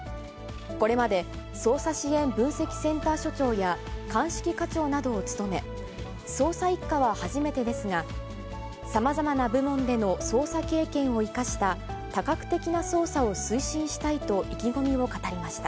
これまで捜査支援分析センター所長や、鑑識課長などを務め、捜査１課は初めてですが、さまざまな部門での捜査経験を生かした多角的な捜査を推進したいと意気込みを語りました。